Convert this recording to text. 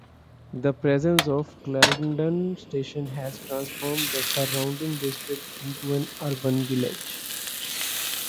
The presence of Clarendon station has transformed the surrounding district into an urban village.